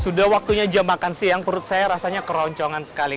sudah waktunya jam makan siang perut saya rasanya keroncongan sekali